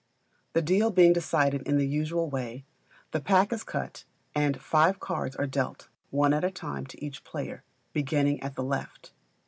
The deal being decided in the usual way, the pack is cut and five cards are dealt one at a time to each player, beginning at the left.